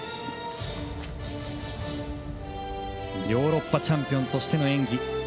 ヨーロッパチャンピオンとしての演技。